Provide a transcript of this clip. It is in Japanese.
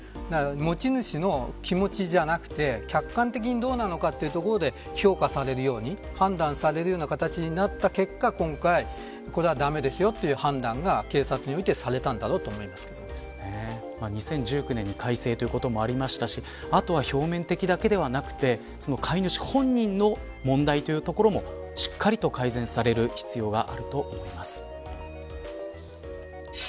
持ち主の気持ちじゃなくて客観的にどうなのかというところで評価されるように判断されるような形になった結果今回、これは駄目ですよという判断が警察においてされたんだろうと２０１９年に改正ということもありましたしあとは、表面的だけではなくて飼い主本人の問題というところもしっかりと改善される必要があると思います。